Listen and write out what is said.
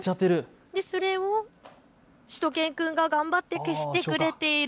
それをしゅと犬くんが頑張って消してくれている。